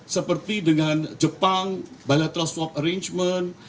seperti dengan jepang bilateral swap arrangement